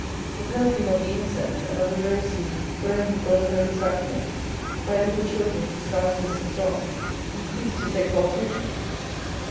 The perfume of the incense and of the rose leaves thrown before the holy sacrament by little children disguised as St. John increased his exaltation.